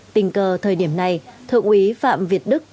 tình cờ thời điểm này thượng úy phạm việt đức